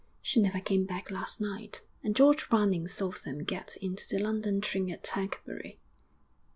'She never came back last night, and George Browning saw them get into the London train at Tercanbury.'